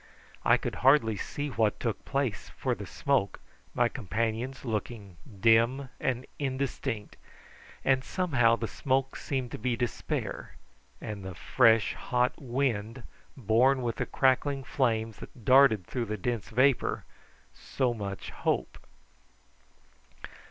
I could hardly see what took place for the smoke, my companions looking dim and indistinct, and somehow the smoke seemed to be despair, and the fresh hot wind borne with the crackling flames that darted through the dense vapour so much hope.